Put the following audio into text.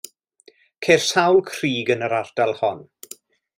Ceir sawl crug yn yr ardal hon.